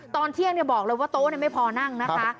ตอนเที่ยงบอกเลยว่าโต๊ะไม่พอนั่งนะคะ